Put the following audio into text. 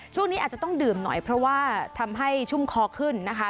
ช่วงนี้อาจจะต้องดื่มหน่อยเพราะว่าทำให้ชุ่มคอขึ้นนะคะ